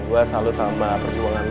gue salut sama perjuangan